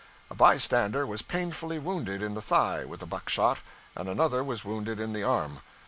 A bystander was painfully wounded in the thigh with a buckshot, and another was wounded in the arm.